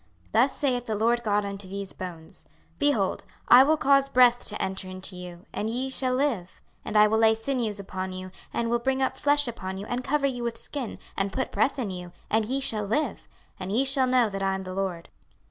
26:037:005 Thus saith the Lord GOD unto these bones; Behold, I will cause breath to enter into you, and ye shall live: 26:037:006 And I will lay sinews upon you, and will bring up flesh upon you, and cover you with skin, and put breath in you, and ye shall live; and ye shall know that I am the LORD.